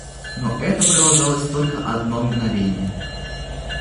Но это продолжалось только одно мгновение.